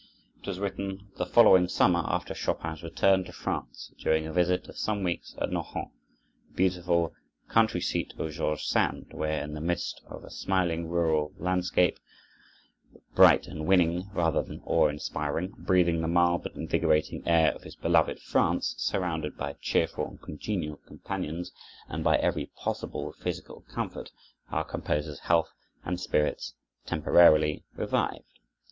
It was written the following summer after Chopin's return to France, during a visit of some weeks at Nohant, the beautiful country seat of George Sand, where in the midst of a smiling rural landscape, bright and winning, rather than awe inspiring, breathing the mild but invigorating air of his beloved France, surrounded by cheerful and congenial companions and by every possible physical comfort, our composer's health and spirits temporarily revived.